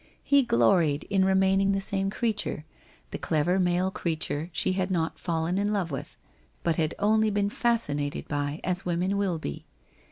He gloried in remaining the same creature, the clever male creature she had not fallen in love with, but had only been fascinated by, as women will be.